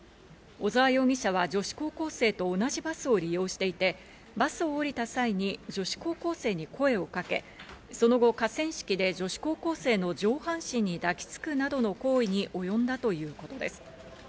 小沢容疑者は女子高生と同じバスを利用していて、バスを降りた際に女子高校生に声をかけ、その後、河川敷で女子高校生の上半身に抱きつくなどの行為に及んだということです。